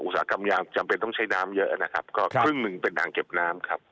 สาหกรรมยางจำเป็นต้องใช้น้ำเยอะนะครับก็ครึ่งหนึ่งเป็นอ่างเก็บน้ำครับ